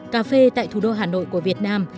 cà phê tại thủ đô hà nội của việt nam